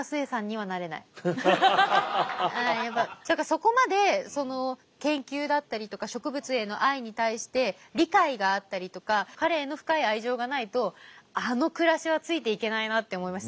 そこまでその研究だったりとか植物への愛に対して理解があったりとか彼への深い愛情がないとあの暮らしはついていけないなって思いました。